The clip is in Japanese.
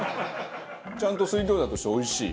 ちゃんと水餃子としておいしい。